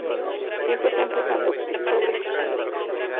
Siempre está empujando el sobre, Andy.